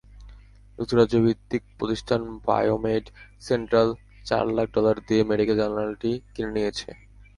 যুক্তরাজ্যভিত্তিক প্রতিষ্ঠান biomed Central চার lakh dollar দিয়ে মেডিকেল জার্নালটি কিনে নিয়েছে।